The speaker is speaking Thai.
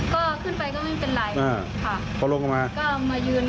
ก็ขึ้นไปก็ไม่เป็นไรอ่าพอลงออกมาก็มายืนยืนรอ